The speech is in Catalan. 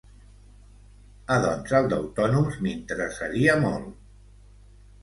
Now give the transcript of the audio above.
Ah doncs el d'autònoms m'interessaria molt.